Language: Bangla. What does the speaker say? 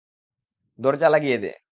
দরজা লাগিয়ে দে!